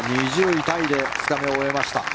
２０位タイで２日目を終えました。